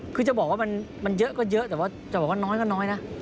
คือจะบอกว่ามันเยอะก็เยอะแต่ว่าจะบอกว่าน้อยก็น้อยนะ